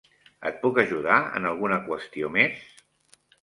Et puc ajudar en alguna qüestió més?